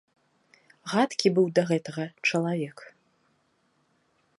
Гадкі быў да гэтага чалавек!